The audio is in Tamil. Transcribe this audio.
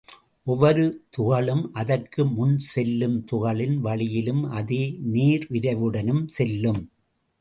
ஒவ்வொரு துகளும் அதற்கு முன் செல்லும் துகளின் வழியிலும் அதே நேர்விரைவுடனும் செல்லும்.